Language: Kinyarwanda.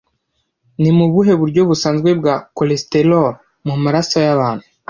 Ni ubuhe buryo busanzwe bwa cholesterol mu maraso y'abantu